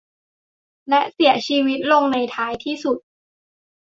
และเสียชีวิตลงในท้ายที่สุด